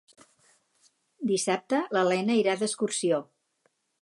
Dissabte na Lena irà d'excursió.